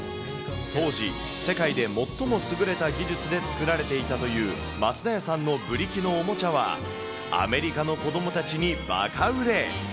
当時、世界で最も優れた技術で作られていたという増田屋さんのブリキのおもちゃはアメリカの子どもたちにばか売れ。